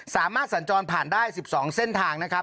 สามารถสัญจรผ่านได้๑๒เส้นทางนะครับ